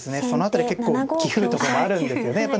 その辺り結構棋風とかもあるんですよね。